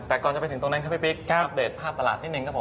แต่ก่อนจะไปถึงตรงนั้นครับพี่ปิ๊กอัปเดตภาพตลาดนิดนึงครับผม